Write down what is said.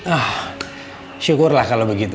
ah syukurlah kalo begitu